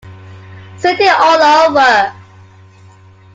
City All Over!